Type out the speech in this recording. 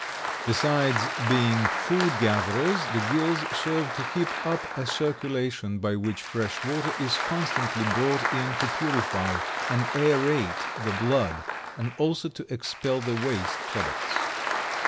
Besides being food gatherers, the gills serve to keep up a circulation by which fresh water is constantly brought in to purify and aerate the blood and also to expel the waste products.